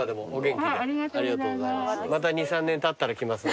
また２３年たったら来ます。